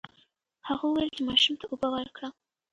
هغه وویل چې ماشوم ته اوبه ورکړه.